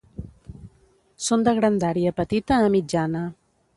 Són de grandària petita a mitjana.